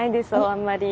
あんまり。